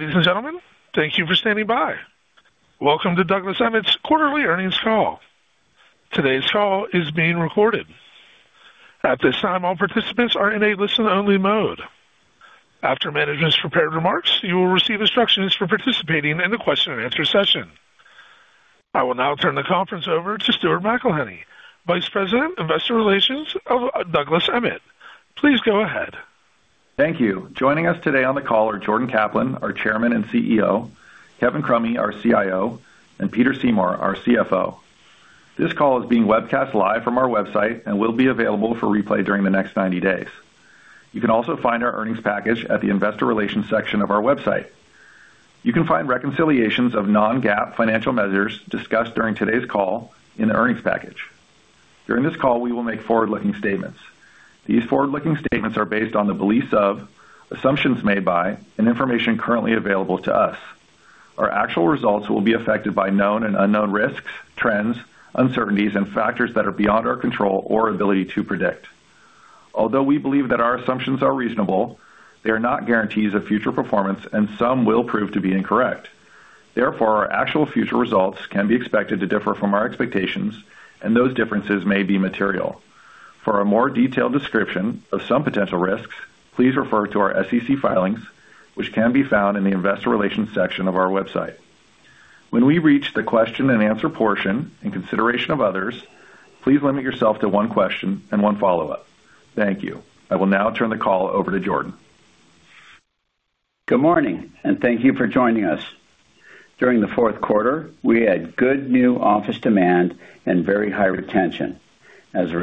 Ladies and gentlemen, thank you for standing by. Welcome to Douglas Emmett's quarterly earnings call. Today's call is being recorded. At this time, all participants are in a listen-only mode. After management's prepared remarks, you will receive instructions for participating in the question-and-answer session. I will now turn the conference over to Stuart McElhinney, Vice President, Investor Relations of Douglas Emmett. Please go ahead. Thank you. Joining us today on the call are Jordan Kaplan, our Chairman and CEO, Kevin Crummy, our CIO, and Peter Seymour, our CFO. This call is being webcast live from our website and will be available for replay during the next 90 days. You can also find our earnings package at the Investor Relations section of our website. You can find reconciliations of non-GAAP financial measures discussed during today's call in the earnings package. During this call, we will make forward-looking statements. These forward-looking statements are based on the beliefs of, assumptions made by, and information currently available to us. Our actual results will be affected by known and unknown risks, trends, uncertainties and factors that are beyond our control or ability to predict. Although we believe that our assumptions are reasonable, they are not guarantees of future performance, and some will prove to be incorrect. Therefore, our actual future results can be expected to differ from our expectations, and those differences may be material. For a more detailed description of some potential risks, please refer to our SEC filings, which can be found in the Investor Relations section of our website. When we reach the question-and-answer portion, in consideration of others, please limit yourself to one question and one follow-up. Thank you. I will now turn the call over to Jordan. Good morning, and thank you for joining us. During the fourth quarter, we had good new office demand and very high retention. As a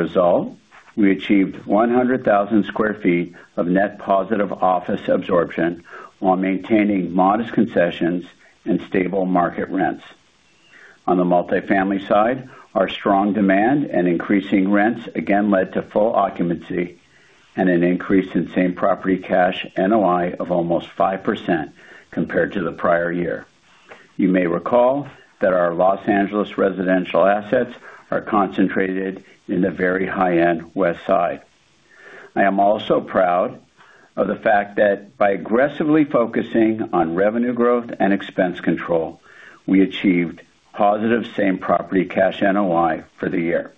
result, we achieved 100,000 sq ft of net positive office absorption while maintaining modest concessions and stable market rents. On the multifamily side, our strong demand and increasing rents again led to full occupancy and an increase in same-property cash NOI of almost 5% compared to the prior year. You may recall that our Los Angeles residential assets are concentrated in the very high-end Westside. I am also proud of the fact that by aggressively focusing on revenue growth and expense control, we achieved positive same-property cash NOI for the year.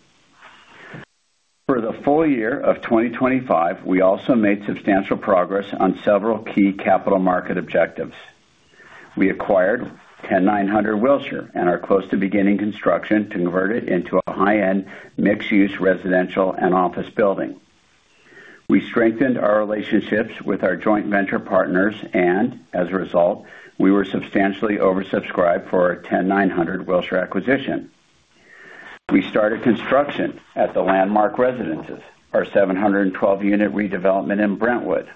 For the full year of 2025, we also made substantial progress on several key capital market objectives. We acquired 10900 Wilshire and are close to beginning construction to convert it into a high-end, mixed-use residential and office building. We strengthened our relationships with our joint venture partners, and as a result, we were substantially oversubscribed for our 10900 Wilshire acquisition. We started construction at the Landmark Residences, our 712-unit redevelopment in Brentwood.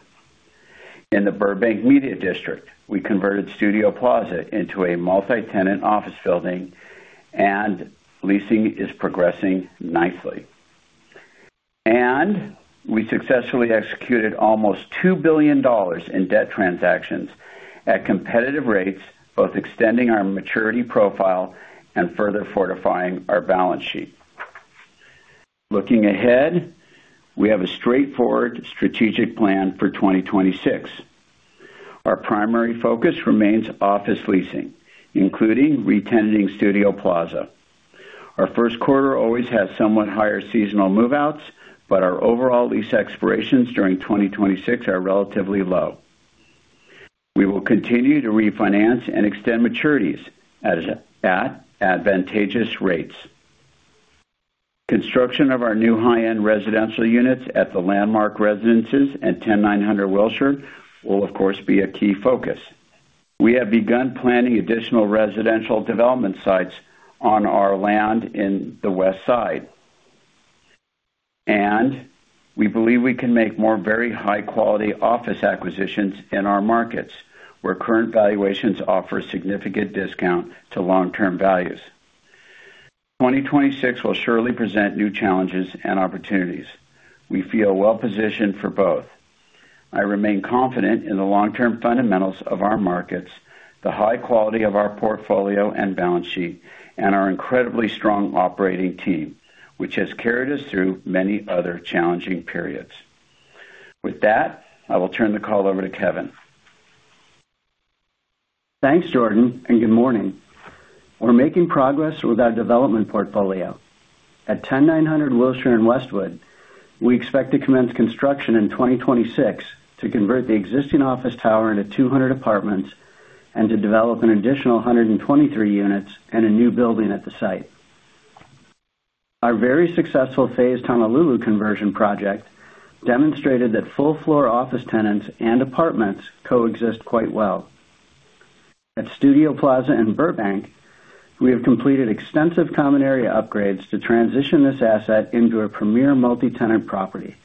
In the Burbank Media District, we converted Studio Plaza into a multi-tenant office building, and leasing is progressing nicely. We successfully executed almost $2 billion in debt transactions at competitive rates, both extending our maturity profile and further fortifying our balance sheet. Looking ahead, we have a straightforward strategic plan for 2026. Our primary focus remains office leasing, including re-tenanting Studio Plaza. Our first quarter always has somewhat higher seasonal move-outs, but our overall lease expirations during 2026 are relatively low. We will continue to refinance and extend maturities at advantageous rates. Construction of our new high-end residential units at the Landmark Residences and 10900 Wilshire will, of course, be a key focus. We have begun planning additional residential development sites on our land in the West Side, and we believe we can make more very high-quality office acquisitions in our markets, where current valuations offer a significant discount to long-term values. 2026 will surely present new challenges and opportunities. We feel well positioned for both. I remain confident in the long-term fundamentals of our markets, the high quality of our portfolio and balance sheet, and our incredibly strong operating team, which has carried us through many other challenging periods. With that, I will turn the call over to Kevin. Thanks, Jordan, and good morning. We're making progress with our development portfolio. At 10900 Wilshire in Westwood, we expect to commence construction in 2026 to convert the existing office tower into 200 apartments and to develop an additional 123 units and a new building at the site. Our very successful phased Honolulu conversion project demonstrated that full floor office tenants and apartments coexist quite well. At Studio Plaza in Burbank, we have completed extensive common area upgrades to transition this asset into a premier multi-tenant property.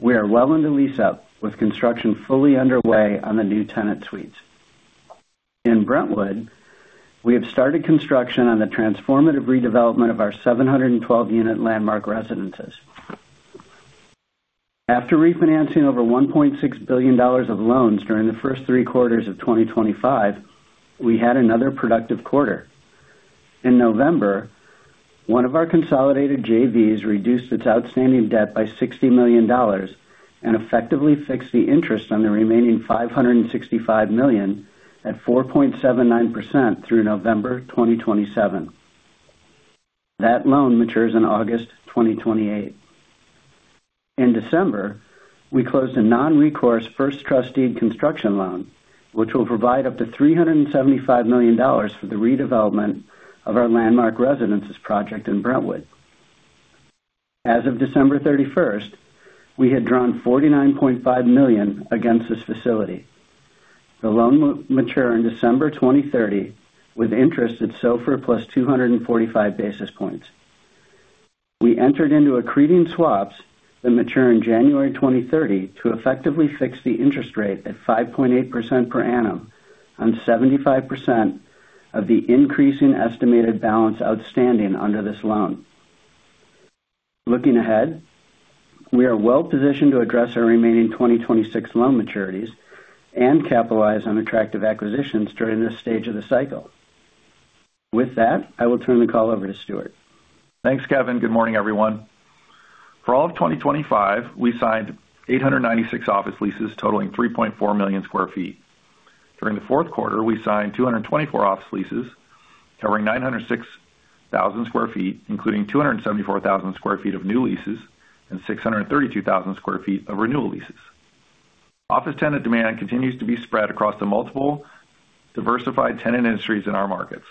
We are well into lease up, with construction fully underway on the new tenant suites. In Brentwood, we have started construction on the transformative redevelopment of our 712-unit Landmark Residences. After refinancing over $1.6 billion of loans during the first three quarters of 2025, we had another productive quarter. In November, one of our consolidated JVs reduced its outstanding debt by $60 million and effectively fixed the interest on the remaining $565 million at 4.79% through November 2027. That loan matures in August 2028. In December, we closed a non-recourse first trust deed construction loan, which will provide up to $375 million for the redevelopment of our Landmark Residences project in Brentwood. As of December 31, we had drawn $49.5 million against this facility. The loan will mature in December 2030, with interest at SOFR plus 245 basis points. We entered into accreting swaps that mature in January 2030 to effectively fix the interest rate at 5.8% per annum on 75% of the increasing estimated balance outstanding under this loan. Looking ahead, we are well-positioned to address our remaining 2026 loan maturities and capitalize on attractive acquisitions during this stage of the cycle. With that, I will turn the call over to Stuart. Thanks, Kevin. Good morning, everyone. For all of 2025, we signed 896 office leases totaling 3.4 million sq ft. During the fourth quarter, we signed 224 office leases covering 906,000 sq ft, including 274,000 sq ft of new leases and 632,000 sq ft of renewal leases. Office tenant demand continues to be spread across the multiple diversified tenant industries in our markets.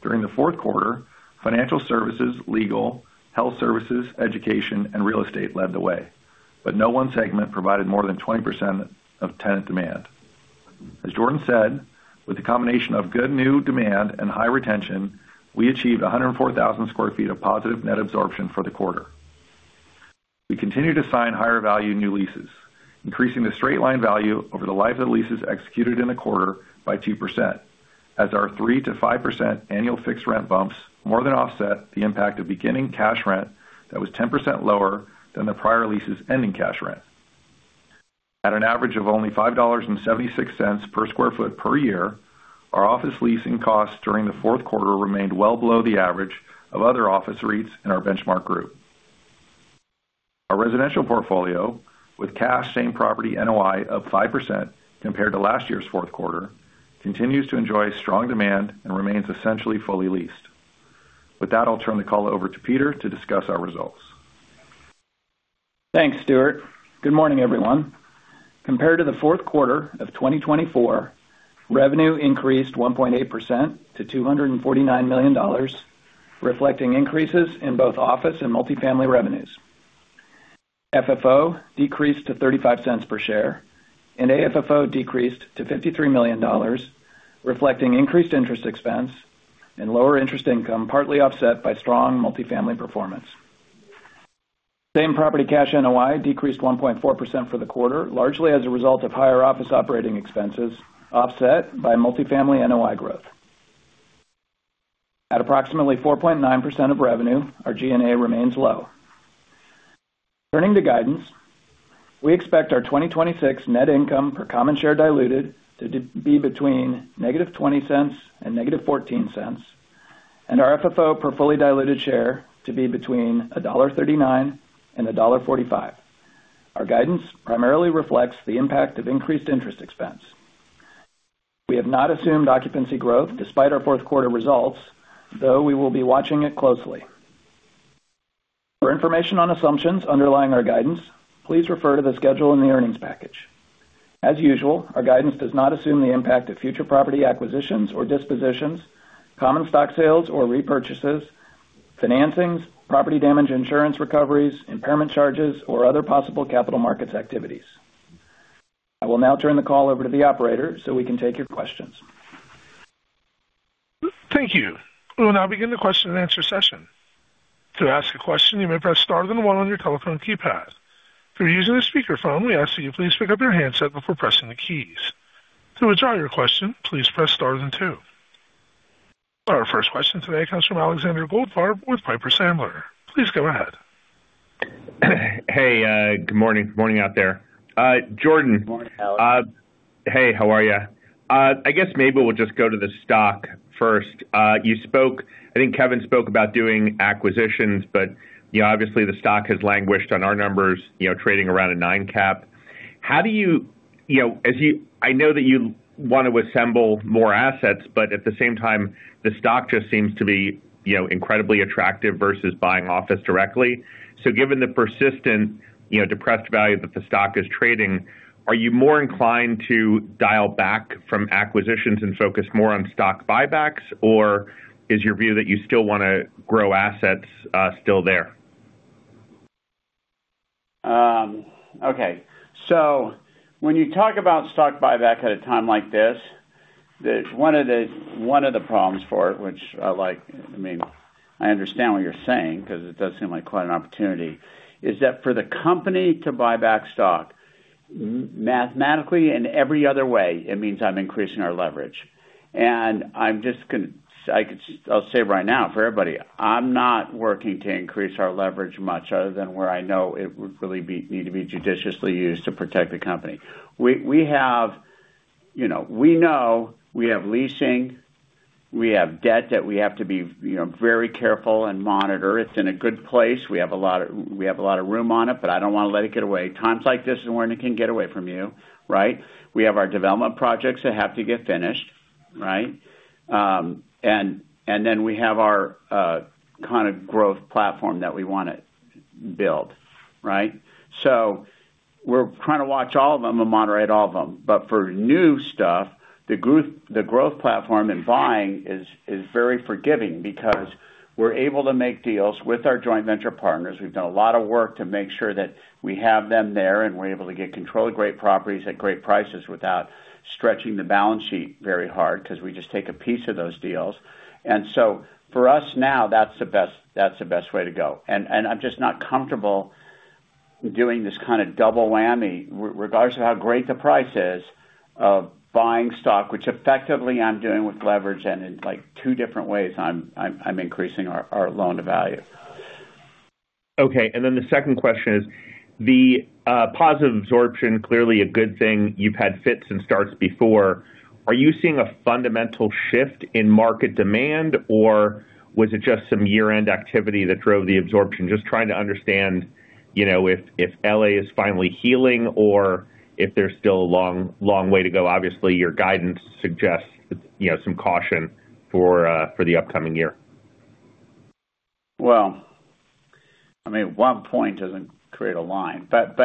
During the fourth quarter, financial services, legal, health services, education, and real estate led the way, but no one segment provided more than 20% of tenant demand. As Jordan said, with a combination of good new demand and high retention, we achieved 104,000 sq ft of positive net absorption for the quarter. We continue to sign higher-value new leases, increasing the straight-line value over the life of the leases executed in the quarter by 2%, as our 3%-5% annual fixed rent bumps more than offset the impact of beginning cash rent that was 10% lower than the prior leases' ending cash rent. At an average of only $5.76 per sq ft per year, our office leasing costs during the fourth quarter remained well below the average of other office REITs in our benchmark group. Our residential portfolio, with cash, same-property NOI of 5% compared to last year's fourth quarter, continues to enjoy strong demand and remains essentially fully leased. With that, I'll turn the call over to Peter to discuss our results. Thanks, Stuart. Good morning, everyone. Compared to the fourth quarter of 2024, revenue increased 1.8% to $249 million, reflecting increases in both office and multifamily revenues. FFO decreased to $0.35 per share, and AFFO decreased to $53 million, reflecting increased interest expense and lower interest income, partly offset by strong multifamily performance. Same-property cash NOI decreased 1.4% for the quarter, largely as a result of higher office operating expenses, offset by multifamily NOI growth. At approximately 4.9% of revenue, our G&A remains low. Turning to guidance, we expect our 2026 net income per common share diluted to be between -$0.20 and -$0.14, and our FFO per fully diluted share to be between $1.39 and $1.45. Our guidance primarily reflects the impact of increased interest expense. We have not assumed occupancy growth despite our fourth quarter results, though we will be watching it closely. For information on assumptions underlying our guidance, please refer to the schedule in the earnings package. As usual, our guidance does not assume the impact of future property acquisitions or dispositions, common stock sales or repurchases, financings, property damage insurance recoveries, impairment charges, or other possible capital markets activities. I will now turn the call over to the operator so we can take your questions. Thank you. We will now begin the question-and-answer session. To ask a question, you may press star then one on your telephone keypad. If you're using a speakerphone, we ask that you please pick up your handset before pressing the keys. To withdraw your question, please press star then two. Our first question today comes from Alexander Goldfarb with Piper Sandler. Please go ahead. Hey, good morning. Good morning out there. Jordan- Good morning, Alex. Hey, how are you? I guess maybe we'll just go to the stock first. You spoke—I think Kevin spoke about doing acquisitions, but, you know, obviously, the stock has languished on our numbers, you know, trading around a nine cap. How do you... You know, as you—I know that you want to assemble more assets, but at the same time, the stock just seems to be, you know, incredibly attractive versus buying office directly. So given the persistent, you know, depressed value that the stock is trading, are you more inclined to dial back from acquisitions and focus more on stock buybacks? Or is your view that you still want to grow assets, still there? Okay. So when you talk about stock buyback at a time like this, one of the problems for it, which I like... I mean, I understand what you're saying, because it does seem like quite an opportunity, is that for the company to buy back stock, mathematically and every other way, it means I'm increasing our leverage. And I'm just. I'll say right now, for everybody, I'm not working to increase our leverage much other than where I know it would really need to be judiciously used to protect the company. We know we have leasing, we have debt that we have to be, you know, very careful and monitor. It's in a good place. We have a lot of, we have a lot of room on it, but I don't wanna let it get away. Times like this is when it can get away from you, right? We have our development projects that have to get finished, right? And then we have our kind of growth platform that we wanna build, right? So we're trying to watch all of them and moderate all of them. But for new stuff, the growth, the growth platform and buying is very forgiving because we're able to make deals with our joint venture partners. We've done a lot of work to make sure that we have them there, and we're able to get control of great properties at great prices without stretching the balance sheet very hard, 'cause we just take a piece of those deals. And so for us now, that's the best, that's the best way to go. And I'm just not comfortable doing this kind of double whammy, regardless of how great the price is, of buying stock, which effectively I'm doing with leverage, and in, like, two different ways, I'm increasing our loan-to-value. Okay, and then the second question is, the positive absorption, clearly a good thing. You've had fits and starts before. Are you seeing a fundamental shift in market demand, or was it just some year-end activity that drove the absorption? Just trying to understand, you know, if L.A. is finally healing or if there's still a long, long way to go. Obviously, your guidance suggests, you know, some caution for the upcoming year. Well, I mean, one point doesn't create a line, but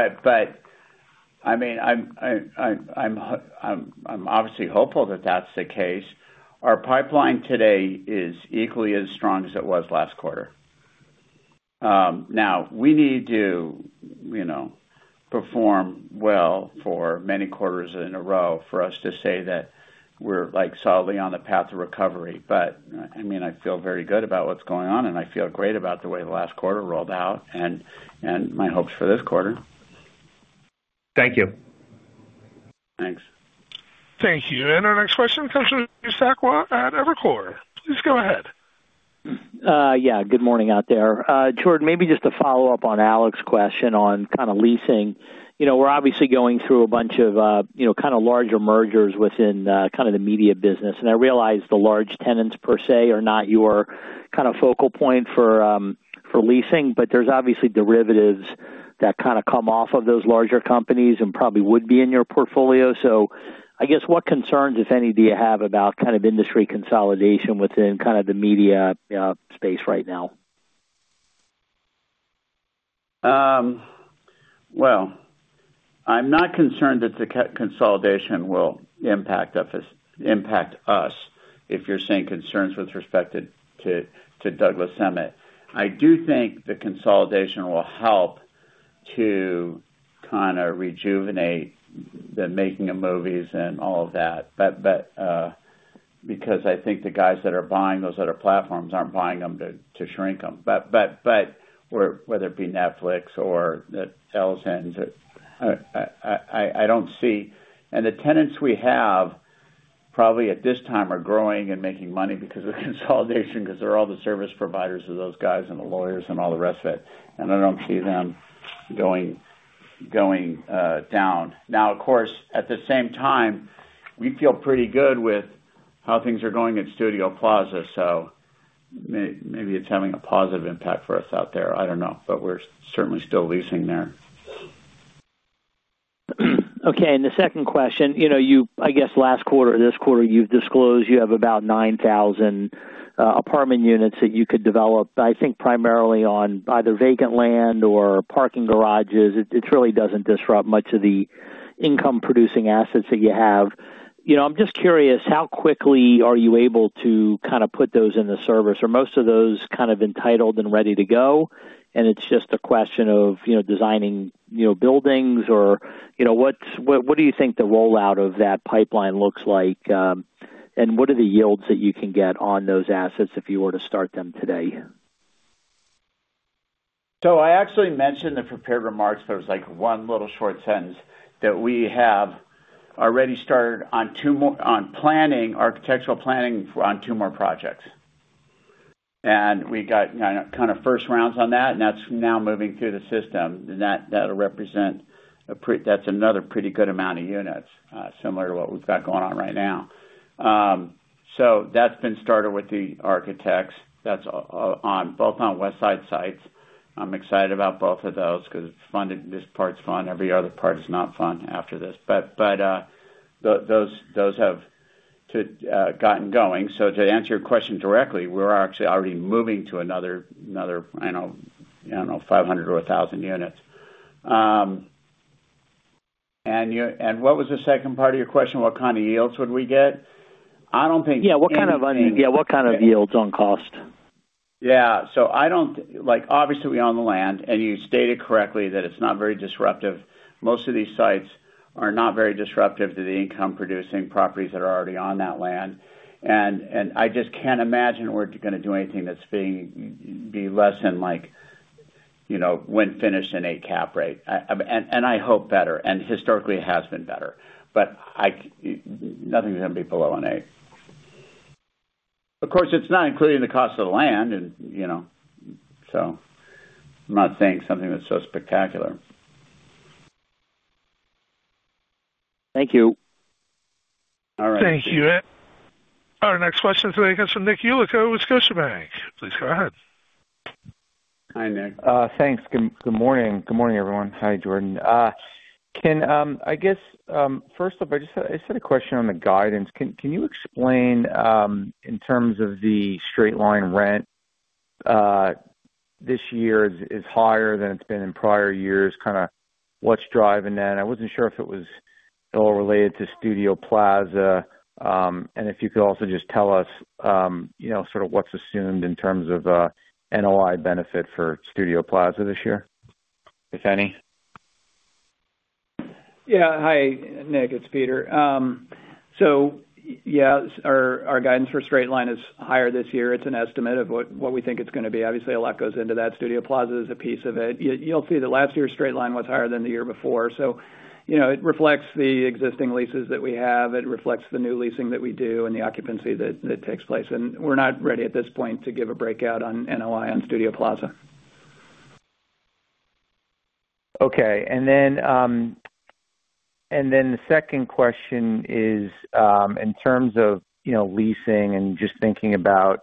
I mean, I'm obviously hopeful that that's the case. Our pipeline today is equally as strong as it was last quarter. Now we need to, you know, perform well for many quarters in a row for us to say that we're, like, solidly on the path to recovery. But, I mean, I feel very good about what's going on, and I feel great about the way the last quarter rolled out and my hopes for this quarter. Thank you. Thanks. Thank you. Our next question comes from Steve Sakwa at Evercore. Please go ahead. Yeah, good morning out there. Jordan, maybe just to follow up on Alex's question on kind of leasing. We're obviously going through a bunch of, you know, kind of larger mergers within, kind of the media business, and I realize the large tenants per se, are not your kind of focal point for, for leasing, but there's obviously derivatives that kind of come off of those larger companies and probably would be in your portfolio. So I guess, what concerns, if any, do you have about kind of industry consolidation within kind of the media, space right now? Well, I'm not concerned that the consolidation will impact us, if you're saying concerns with respect to Douglas Emmett. I do think the consolidation will help to kinda rejuvenate the making of movies and all of that, but because I think the guys that are buying those other platforms aren't buying them to shrink them. But whether it be Netflix or the Ellison, I don't see... And the tenants we have, probably at this time, are growing and making money because of consolidation, because they're all the service providers of those guys and the lawyers and all the rest of it, and I don't see them going down. Now, of course, at the same time, we feel pretty good with how things are going at Studio Plaza, so maybe it's having a positive impact for us out there. I don't know, but we're certainly still leasing there. Okay, and the second question: You know, you—I guess last quarter or this quarter, you've disclosed you have about 9,000 apartment units that you could develop, I think, primarily on either vacant land or parking garages. It really doesn't disrupt much of the income-producing assets that you have. You know, I'm just curious, how quickly are you able to kind of put those into service? Are most of those kind of entitled and ready to go, and it's just a question of, you know, designing, you know, buildings or, you know, what's—what do you think the rollout of that pipeline looks like? And what are the yields that you can get on those assets if you were to start them today? So I actually mentioned the prepared remarks. There was, like, one little short sentence that we have already started on two more on planning, architectural planning on two more projects. We got, kind of, kind of first rounds on that, and that's now moving through the system. That, that'll represent a pre- That's another pretty good amount of units, similar to what we've got going on right now. So that's been started with the architects. That's on, both on West Side sites. I'm excited about both of those because it's fun. This part's fun. Every other part is not fun after this. But, but, tho- those, those have to, gotten going. So to answer your question directly, we're actually already moving to another, another, I don't know, I don't know, 500 or 1,000 units. What was the second part of your question? What kind of yields would we get? I don't think- Yeah, what kind of yields on cost? Yeah. So I don't like, obviously, we own the land, and you stated correctly that it's not very disruptive. Most of these sites are not very disruptive to the income-producing properties that are already on that land. And I just can't imagine we're gonna do anything that's be less than, like, you know, when finished in a cap rate. And I hope better, and historically it has been better, but nothing's gonna be below an eight. Of course, it's not including the cost of the land and, you know, so I'm not saying something that's so spectacular. Thank you. All right. Thank you. Our next question today comes from Nick Yulico with Scotiabank. Please go ahead. Hi, Nick. Thanks. Good morning. Good morning, everyone. Hi, Jordan. I guess first up, I just had a question on the guidance. Can you explain in terms of the Straight-Line Rent, this year is higher than it's been in prior years, kind of what's driving that? I wasn't sure if it was at all related to Studio Plaza. And if you could also just tell us, you know, sort of what's assumed in terms of NOI benefit for Studio Plaza this year, if any? Yeah. Hi, Nick, it's Peter. So yeah, our guidance for straight-line is higher this year. It's an estimate of what we think it's going to be. Obviously, a lot goes into that. Studio Plaza is a piece of it. You'll see that last year, straight-line was higher than the year before. So, you know, it reflects the existing leases that we have. It reflects the new leasing that we do and the occupancy that takes place. And we're not ready at this point to give a breakout on NOI on Studio Plaza. Okay. And then the second question is, in terms of, you know, leasing and just thinking about,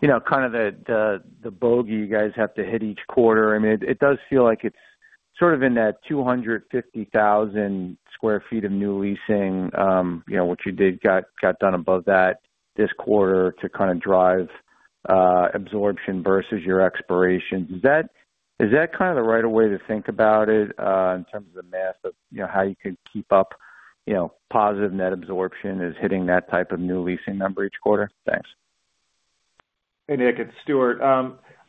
you know, kind of the bogey you guys have to hit each quarter. I mean, it does feel like it's sort of in that 250,000 sq ft of new leasing, you know, what you got done above that this quarter to kind of drive absorption versus your expiration. Is that kind of the right way to think about it, in terms of the math of, you know, how you can keep up, you know, positive net absorption is hitting that type of new leasing number each quarter? Thanks. Hey, Nick, it's Stuart.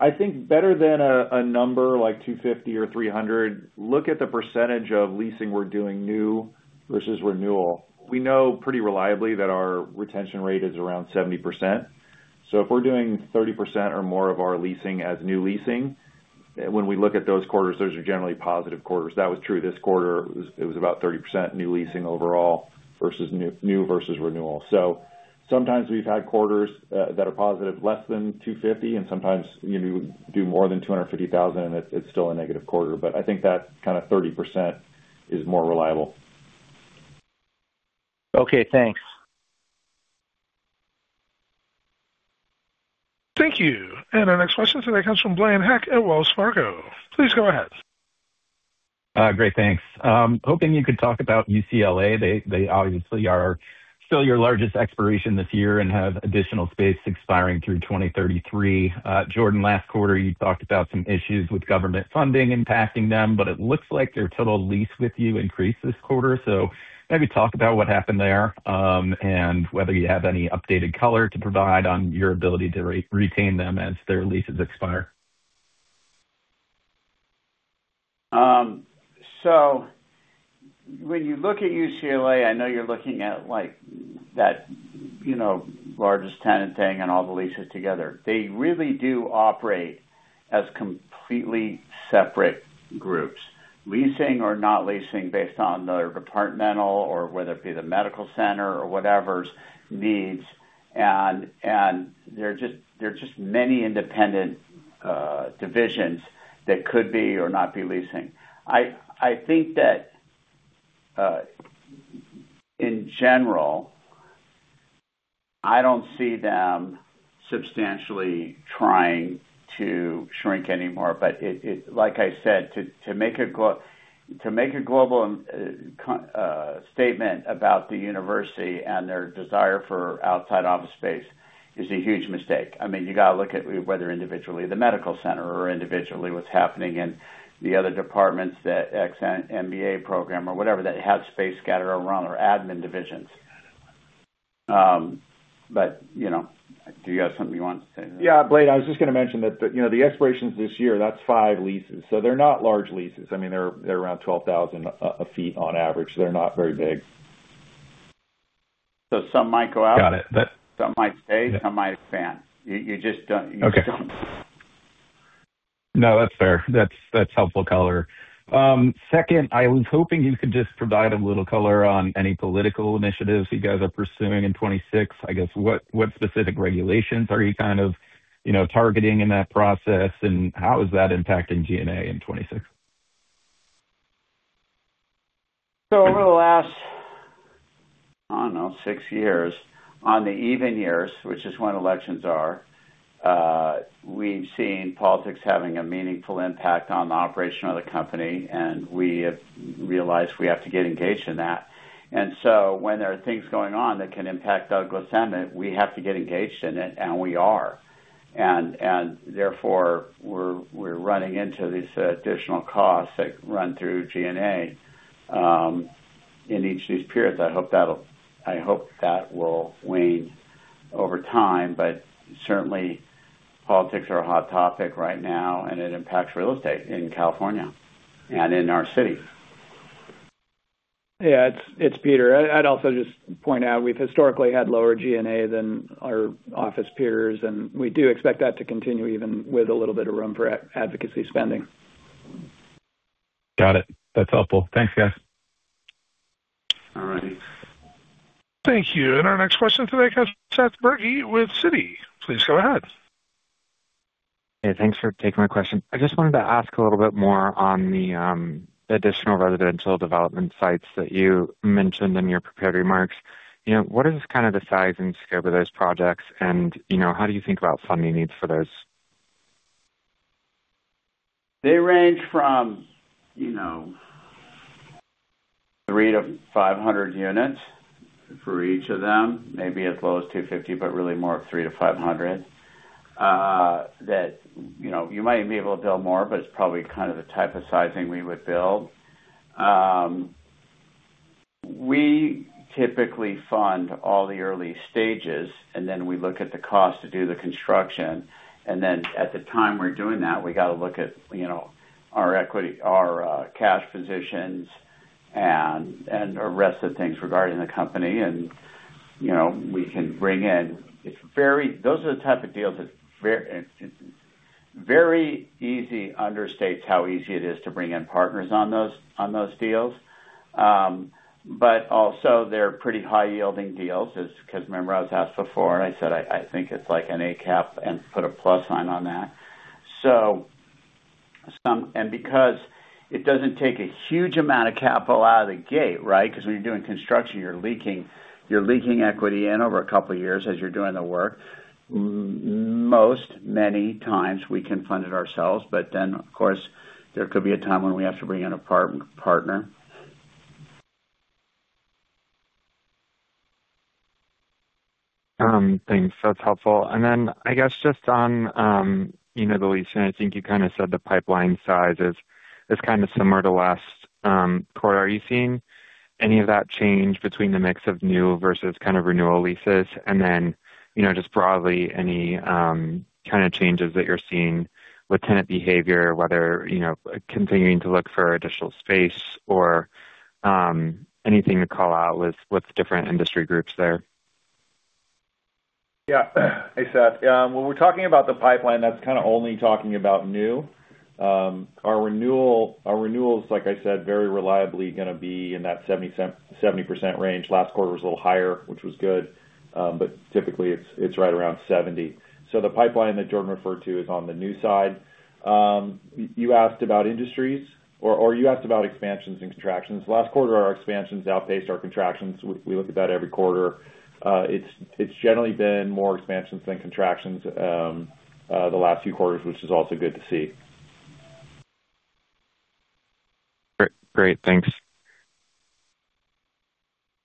I think better than a number like 250 or 300, look at the percentage of leasing we're doing new versus renewal. We know pretty reliably that our retention rate is around 70%. So if we're doing 30% or more of our leasing as new leasing, when we look at those quarters, those are generally positive quarters. That was true this quarter. It was about 30% new leasing overall versus new versus renewal. So sometimes we've had quarters that are positive, less than 250, and sometimes you do more than 250,000, and it's still a negative quarter. But I think that kind of 30% is more reliable. Okay, thanks. Thank you. And our next question today comes from Blaine Heck at Wells Fargo. Please go ahead. Great, thanks. Hoping you could talk about UCLA. They, they obviously are still your largest expiration this year and have additional space expiring through 2033. Jordan, last quarter, you talked about some issues with government funding impacting them, but it looks like their total lease with you increased this quarter. So maybe talk about what happened there, and whether you have any updated color to provide on your ability to re-retain them as their leases expire. So when you look at UCLA, I know you're looking at, like, that, you know, largest tenant thing and all the leases together. They really do operate as completely separate groups, leasing or not leasing, based on their departmental or whether it be the medical center or whatever's needs. And there are just many independent divisions that could be or not be leasing. I think that in general, I don't see them substantially trying to shrink anymore. But it, like I said, to make a global statement about the university and their desire for outside office space is a huge mistake. I mean, you got to look at whether individually, the medical center or individually, what's happening in the other departments, that X, MBA program or whatever, that have space scattered around or admin divisions. But, you know, do you have something you want to say? Yeah, Blaine, I was just going to mention that, you know, the expirations this year, that's five leases, so they're not large leases. I mean, they're, they're around 12,000 sq ft on average. They're not very big. So some might go out- Got it. Some might stay, some might expand. You just don't- Okay. You just don't. No, that's fair. That's, that's helpful color. Second, I was hoping you could just provide a little color on any political initiatives you guys are pursuing in 2026. I guess, what, what specific regulations are you kind of, you know, targeting in that process, and how is that impacting G&A in 2026? So over the last, I don't know, six years, on the even years, which is when elections are, we've seen politics having a meaningful impact on the operation of the company, and we have realized we have to get engaged in that. And so when there are things going on that can impact Douglas Emmett, we have to get engaged in it, and we are. And therefore, we're running into these additional costs that run through G&A in each of these periods. I hope that will wane over time, but certainly, politics are a hot topic right now, and it impacts real estate in California and in our city. Yeah, it's Peter. I'd also just point out, we've historically had lower G&A than our office peers, and we do expect that to continue, even with a little bit of room for advocacy spending. Got it. That's helpful. Thanks, guys. All right. Thank you. Our next question today comes from Seth Berky with Citi. Please go ahead. Hey, thanks for taking my question. I just wanted to ask a little bit more on the additional residential development sites that you mentioned in your prepared remarks. You know, what is kind of the size and scope of those projects? And, you know, how do you think about funding needs for those? They range from, you know, 300-500 units for each of them, maybe as low as 250, but really more of 300-500. That, you know, you might even be able to build more, but it's probably kind of the type of sizing we would build. We typically fund all the early stages, and then we look at the cost to do the construction, and then at the time we're doing that, we got to look at, you know, our equity, our cash positions and the rest of the things regarding the company. And, you know, we can bring in... It's very-- those are the type of deals that very very easy understates how easy it is to bring in partners on those, on those deals. But also, they're pretty high-yielding deals because remember I was asked before, and I said, I think it's like a cap and put a plus sign on that. So and because it doesn't take a huge amount of capital out of the gate, right? Because when you're doing construction, you're leaking, you're leaking equity in over a couple of years as you're doing the work. Most, many times we can fund it ourselves, but then, of course, there could be a time when we have to bring in a partner. Thanks. That's helpful. And then I guess just on, you know, the leasing, I think you kind of said the pipeline size is kind of similar to last quarter. Are you seeing any of that change between the mix of new versus kind of renewal leases? And then, you know, just broadly, any kind of changes that you're seeing with tenant behavior, whether, you know, continuing to look for additional space or, anything to call out with different industry groups there? Yeah. Hey, Seth. When we're talking about the pipeline, that's kind of only talking about new. Our renewal, our renewals, like I said, very reliably gonna be in that 70% range. Last quarter was a little higher, which was good, but typically it's right around 70%. So the pipeline that Jordan referred to is on the new side. You asked about industries, or you asked about expansions and contractions. Last quarter, our expansions outpaced our contractions. We look at that every quarter. It's generally been more expansions than contractions the last few quarters, which is also good to see. Great. Great, thanks.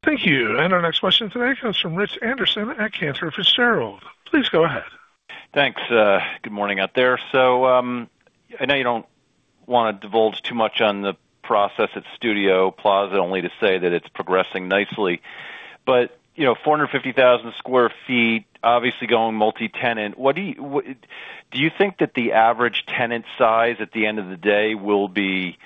Thank you. Our next question today comes from Rich Anderson at Cantor Fitzgerald. Please go ahead. Thanks. Good morning out there. So, I know you don't want to divulge too much on the process at Studio Plaza, only to say that it's progressing nicely. But, you know, 450,000 sq ft, obviously going multi-tenant, what do you think that the average tenant size at the end of the day will be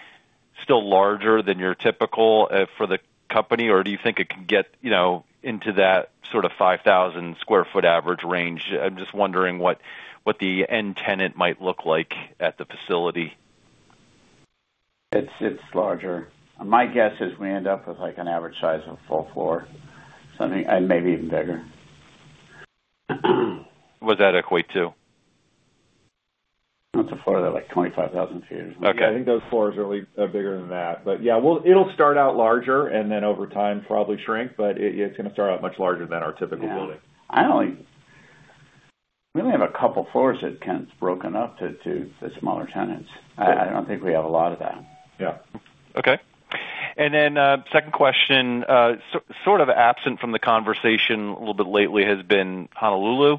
still larger than your typical for the company? Or do you think it can get, you know, into that sort of 5,000 sq ft average range? I'm just wondering what the end tenant might look like at the facility. It's larger. My guess is we end up with, like, an average size of a full floor, something, maybe even bigger. Would that equate to? That's a floor that, like, 25,000 sq ft. Okay. I think those floors are really bigger than that. But, yeah, it'll start out larger and then over time, probably shrink, but it's gonna start out much larger than our typical building. Yeah. We only have a couple of floors that Ken's broken up to the smaller tenants. I don't think we have a lot of that. Yeah. Okay. And then, second question. Sort of absent from the conversation a little bit lately has been Honolulu,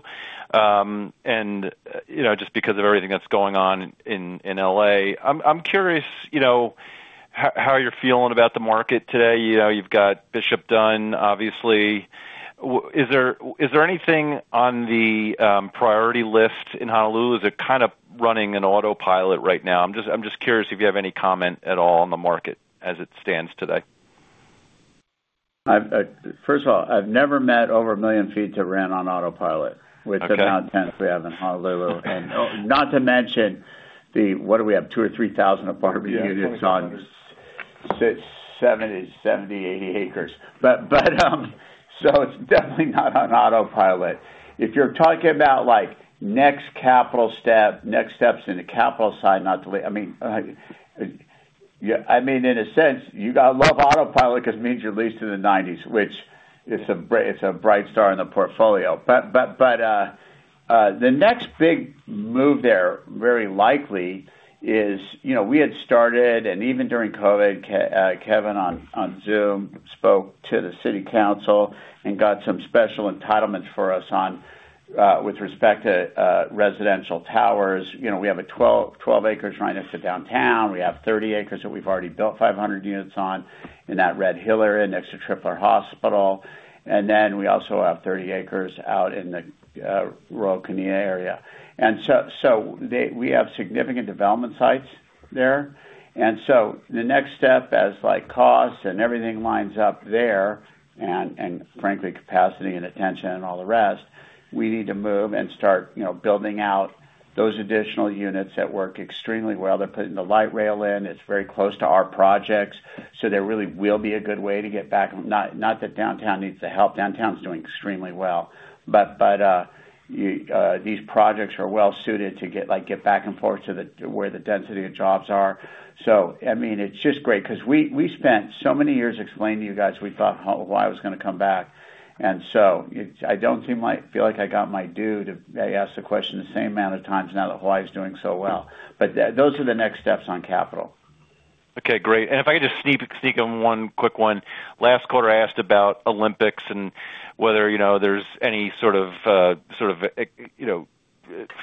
and, you know, just because of everything that's going on in LA. I'm curious, you know, how you're feeling about the market today. You know, you've got Bishop Place, obviously. Is there, is there anything on the priority list in Honolulu? Is it kind of running in autopilot right now? I'm just curious if you have any comment at all on the market as it stands today. First of all, I've never met over 1 million feet that ran on autopilot- Okay. which is the amount of tenants we have in Honolulu. And not to mention the, what do we have? 2,000 or 3,000 apartment units on 70 to 80 acres. But, so it's definitely not on autopilot. If you're talking about, like, next capital step, next steps in the capital side, not to lay... I mean, yeah, I mean, in a sense, you got to love autopilot because it means you're leased in the 90s, which is a bright star in the portfolio. But, the next big move there, very likely, is, you know, we had started, and even during COVID, Kevin, on Zoom, spoke to the city council and got some special entitlements for us with respect to residential towers, you know, we have 12 acres right next to downtown. We have 30 acres that we've already built 500 units on in that Red Hill area next to Tripler Hospital. And then we also have 30 acres out in the Royal Kunia area. And so we have significant development sites there. And so the next step, as like costs and everything lines up there, and frankly, capacity and attention and all the rest, we need to move and start, you know, building out those additional units that work extremely well. They're putting the light rail in. It's very close to our projects, so there really will be a good way to get back. Not that downtown needs the help. Downtown's doing extremely well. But these projects are well suited to get like back and forth to where the density of jobs are. So, I mean, it's just great because we, we spent so many years explaining to you guys we thought Hawaii was gonna come back. And so I don't seem, like, feel like I got my due too. I asked the question the same amount of times now that Hawaii is doing so well. But those are the next steps on capital. Okay, great. And if I could just sneak in one quick one. Last quarter, I asked about Olympics and whether, you know, there's any sort of, sort of, you know,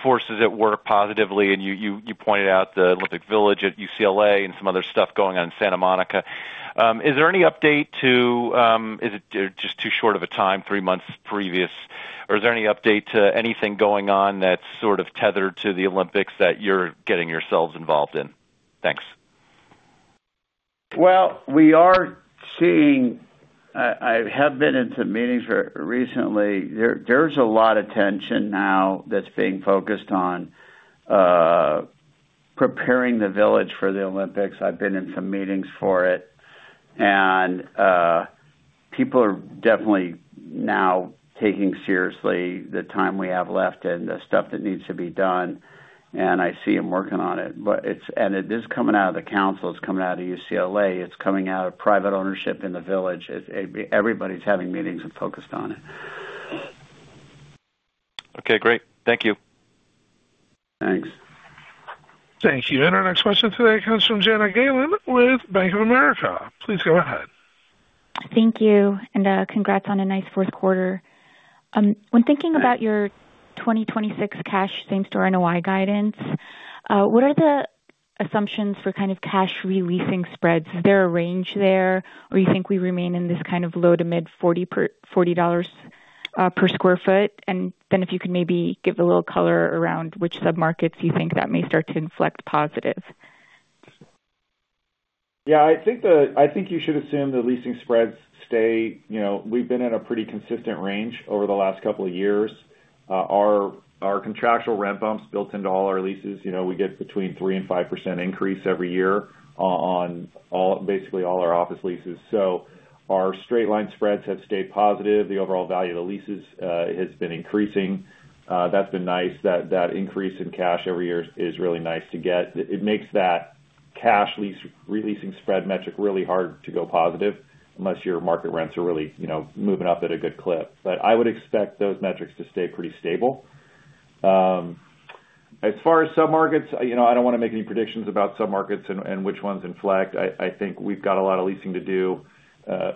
forces at work positively, and you pointed out the Olympic Village at UCLA and some other stuff going on in Santa Monica. Is there any update to... Is it just too short of a time, three months previous, or is there any update to anything going on that's sort of tethered to the Olympics that you're getting yourselves involved in? Thanks. Well, we are seeing. I have been in some meetings recently. There's a lot of tension now that's being focused on preparing the village for the Olympics. I've been in some meetings for it, and people are definitely now taking seriously the time we have left and the stuff that needs to be done, and I see them working on it. But it is coming out of the council, it's coming out of UCLA, it's coming out of private ownership in the village. Everybody's having meetings and focused on it. Okay, great. Thank you. Thanks. Thank you. Our next question today comes from Jana Galan with Bank of America. Please go ahead. Thank you, and congrats on a nice fourth quarter. When thinking about your 2026 cash same-store NOI guidance, what are the assumptions for kind of cash re-leasing spreads? Is there a range there, or you think we remain in this kind of low to mid-40 dollars per sq ft? And then, if you could maybe give a little color around which submarkets you think that may start to inflect positive? Yeah, I think you should assume the leasing spreads stay. You know, we've been at a pretty consistent range over the last couple of years. Our contractual rent bumps built into all our leases. You know, we get between 3% and 5% increase every year on basically all our office leases. So our straight-line spreads have stayed positive. The overall value of the leases has been increasing. That's been nice. That increase in cash every year is really nice to get. It makes that cash re-leasing spread metric really hard to go positive, unless your market rents are really, you know, moving up at a good clip. But I would expect those metrics to stay pretty stable. As far as submarkets, you know, I don't wanna make any predictions about submarkets and which ones inflect. I think we've got a lot of leasing to do,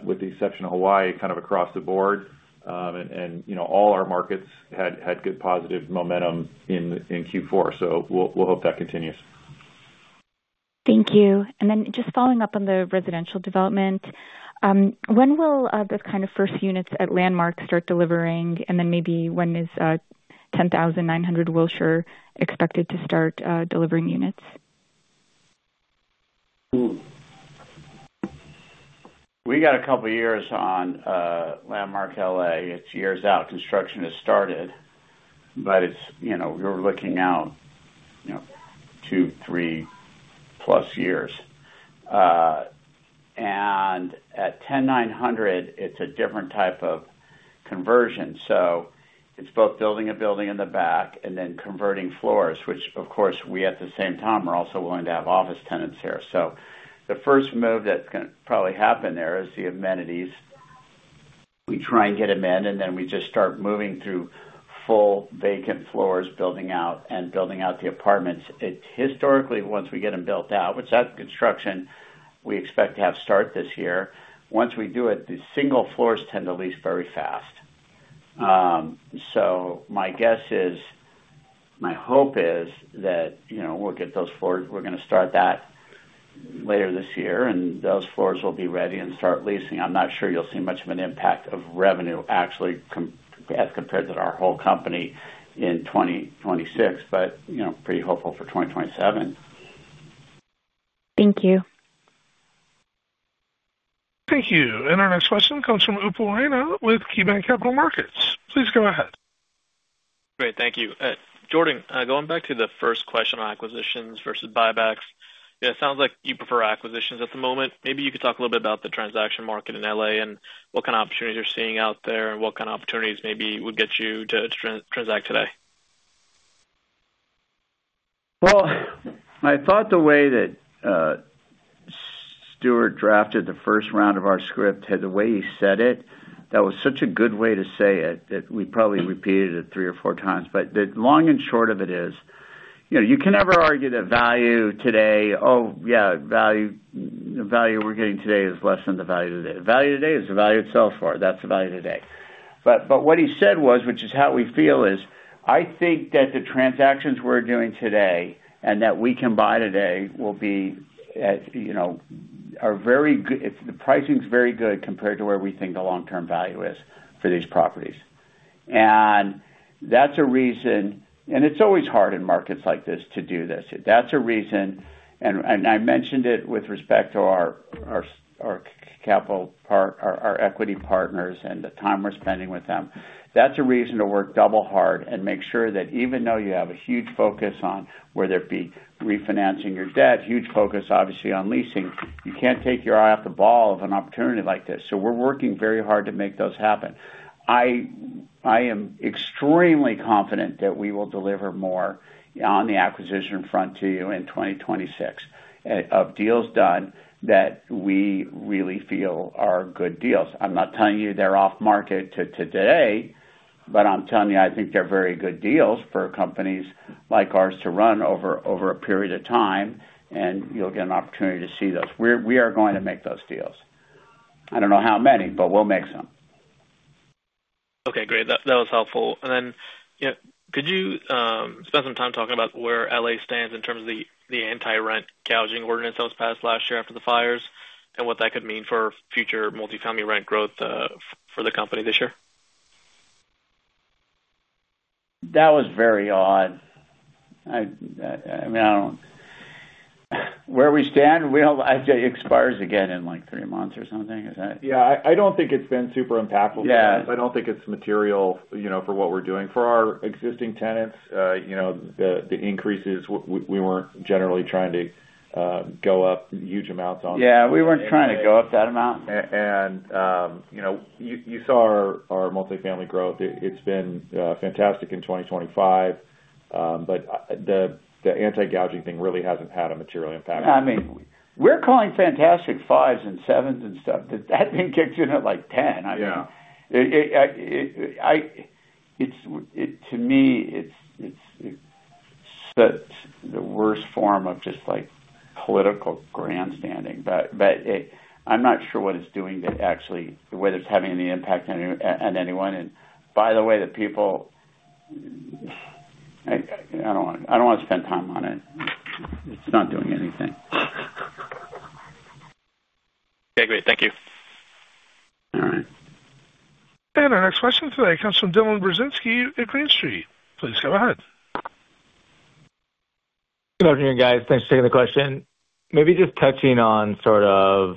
with the exception of Hawaii, kind of across the board. You know, all our markets had good positive momentum in Q4, so we'll hope that continues. Thank you. And then just following up on the residential development, when will those kind of first units at Landmark start delivering? And then maybe when is 10900 Wilshire expected to start delivering units? We got a couple years on Landmark LA. It's years out. Construction has started, but it's, you know, we're looking out, you know, 2-3+ years. And at 10900, it's a different type of conversion, so it's both building a building in the back and then converting floors, which, of course, we, at the same time, are also going to have office tenants here. So the first move that's gonna probably happen there is the amenities. We try and get them in, and then we just start moving through full vacant floors, building out and building out the apartments. It historically, once we get them built out, which that construction we expect to have start this year, once we do it, the single floors tend to lease very fast. So my guess is, my hope is that, you know, we'll get those floors. We're gonna start that later this year, and those floors will be ready and start leasing. I'm not sure you'll see much of an impact of revenue actually coming as compared to our whole company in 2026, but, you know, pretty hopeful for 2027. Thank you. Thank you. Our next question comes from Upal Rana with KeyBanc Capital Markets. Please go ahead. Great. Thank you. Jordan, going back to the first question on acquisitions versus buybacks, it sounds like you prefer acquisitions at the moment. Maybe you could talk a little bit about the transaction market in LA and what kind of opportunities you're seeing out there, and what kind of opportunities maybe would get you to transact today? Well, I thought the way that, Stuart drafted the first round of our script, the way he said it, that was such a good way to say it, that we probably repeated it three or four times. But the long and short of it is, you know, you can never argue that value today, oh, yeah, value, the value we're getting today is less than the value today. The value today is the value it sells for. That's the value today. But, but what he said was, which is how we feel, is I think that the transactions we're doing today and that we can buy today will be at, you know, are very good. If the pricing's very good compared to where we think the long-term value is for these properties. And that's a reason. And it's always hard in markets like this to do this. That's a reason, and I mentioned it with respect to our capital part, our equity partners and the time we're spending with them. That's a reason to work double hard and make sure that even though you have a huge focus on whether it be refinancing your debt, huge focus obviously on leasing, you can't take your eye off the ball of an opportunity like this. So we're working very hard to make those happen. I am extremely confident that we will deliver more on the acquisition front to you in 2026 of deals done that we really feel are good deals. I'm not telling you they're off market today, but I'm telling you I think they're very good deals for companies like ours to run over a period of time, and you'll get an opportunity to see those. We are going to make those deals. I don't know how many, but we'll make some. Okay, great. That was helpful. And then, you know, could you spend some time talking about where L.A. stands in terms of the anti-rent gouging ordinance that was passed last year after the fires, and what that could mean for future multifamily rent growth, for the company this year? That was very odd. I mean, I don't... Where we stand, we don't-- It expires again in, like, three months or something, is that- Yeah, I don't think it's been super impactful. Yeah. I don't think it's material, you know, for what we're doing. For our existing tenants, you know, the increases, we weren't generally trying to go up huge amounts on- Yeah, we weren't trying to go up that amount. You know, you saw our multifamily growth. It's been fantastic in 2025. But the anti-gouging thing really hasn't had a material impact. I mean, we're calling fantastic 5s and 7s and stuff. That thing kicks in at, like, 10. Yeah. To me, it's the worst form of just, like, political grandstanding, but it. I'm not sure what it's doing to actually whether it's having any impact on anyone. And by the way, the people, I don't want to spend time on it. It's not doing anything. Okay, great. Thank you. All right. Our next question today comes from Dylan Burzinski at Green Street. Please go ahead. Good afternoon, guys. Thanks for taking the question. Maybe just touching on sort of,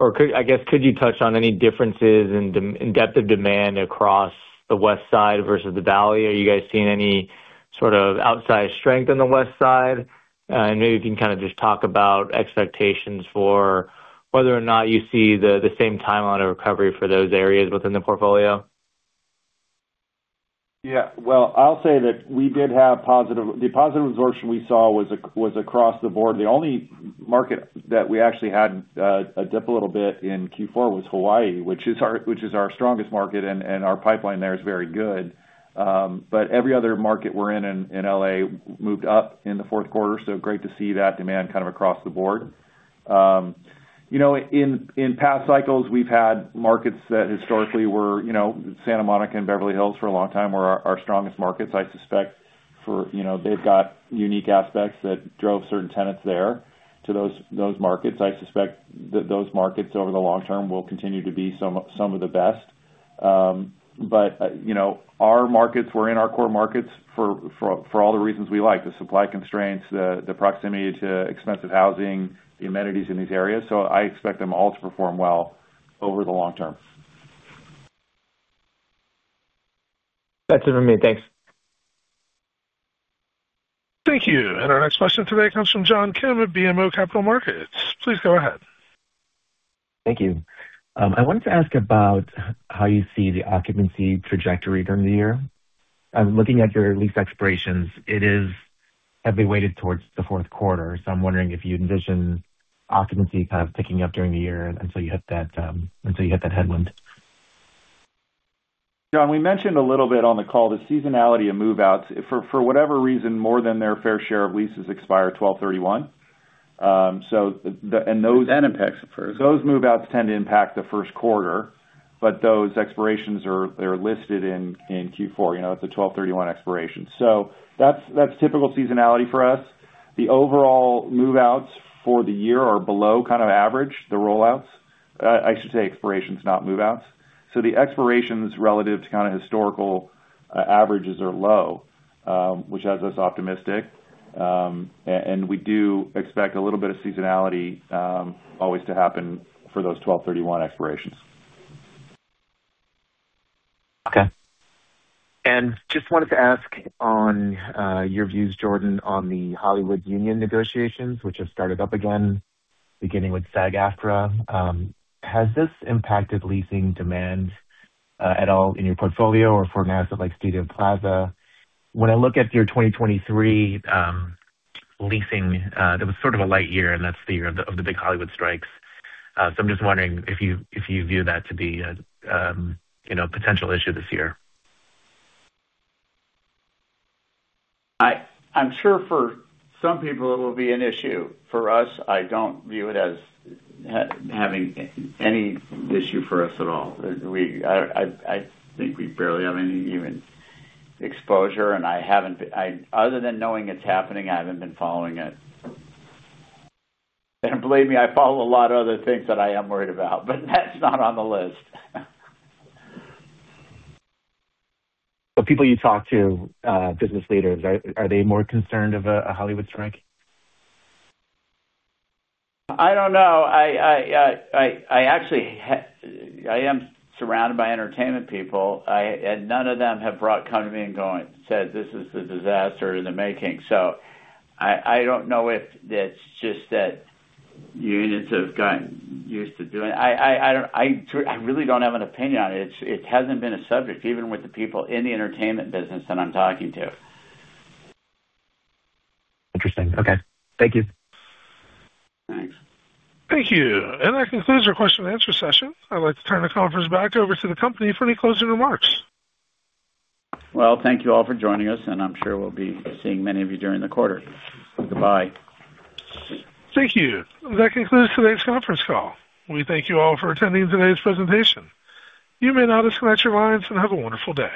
I guess, could you touch on any differences in depth of demand across the West Side versus the Valley? Are you guys seeing any sort of outsized strength on the West Side? And maybe you can kind of just talk about expectations for whether or not you see the same timeline of recovery for those areas within the portfolio. Yeah, well, I'll say that we did have positive absorption. The positive absorption we saw was across the board. The only market that we actually had a dip a little bit in Q4 was Hawaii, which is our strongest market, and our pipeline there is very good. But every other market we're in L.A. moved up in the fourth quarter, so great to see that demand kind of across the board. You know, in past cycles, we've had markets that historically were Santa Monica and Beverly Hills for a long time were our strongest markets. I suspect for, you know, they've got unique aspects that drove certain tenants there to those markets. I suspect that those markets, over the long term, will continue to be some of the best. But, you know, our markets, we're in our core markets for all the reasons we like: the supply constraints, the proximity to expensive housing, the amenities in these areas. So I expect them all to perform well over the long term. That's it for me. Thanks. Thank you. Our next question today comes from John Kim at BMO Capital Markets. Please go ahead. Thank you. I wanted to ask about how you see the occupancy trajectory during the year. I'm looking at your lease expirations. It is heavily weighted towards the fourth quarter, so I'm wondering if you envision occupancy kind of picking up during the year until you hit that, until you hit that headwind. John, we mentioned a little bit on the call, the seasonality of move-outs. For whatever reason, more than their fair share of leases expire 12/31. So the and those- That impacts the first. Those move-outs tend to impact the first quarter, but those expirations are. They're listed in Q4, you know, it's a 12/31 expiration. So that's typical seasonality for us. The overall move-outs for the year are below kind of average, the rollouts. I should say expirations, not move-outs. So the expirations relative to kind of historical averages are low, which has us optimistic. And we do expect a little bit of seasonality always to happen for those 12/31 expirations. Okay. And just wanted to ask on, your views, Jordan, on the Hollywood union negotiations, which have started up again, beginning with SAG-AFTRA. Has this impacted leasing demand, at all in your portfolio or for an asset like Studio Plaza? When I look at your 2023, leasing, that was sort of a light year, and that's the year of the, of the big Hollywood strikes. So I'm just wondering if you, if you view that to be a, you know, a potential issue this year. I'm sure for some people it will be an issue. For us, I don't view it as having any issue for us at all. I think we barely have any even exposure, and other than knowing it's happening, I haven't been following it. And believe me, I follow a lot of other things that I am worried about, but that's not on the list. The people you talk to, business leaders, are they more concerned of a Hollywood strike? I don't know. I actually... I am surrounded by entertainment people. And none of them have come to me and said, "This is a disaster in the making." So I don't know if it's just that unions have gotten used to doing... I don't... I really don't have an opinion on it. It hasn't been a subject, even with the people in the entertainment business that I'm talking to. Interesting. Okay. Thank you. Thanks. Thank you. That concludes our question and answer session. I'd like to turn the conference back over to the company for any closing remarks. Well, thank you all for joining us, and I'm sure we'll be seeing many of you during the quarter. Goodbye. Thank you. That concludes today's conference call. We thank you all for attending today's presentation. You may now disconnect your lines, and have a wonderful day.